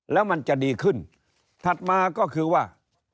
แล้วมันจะดีขึ้นถัดมาก็คือว่า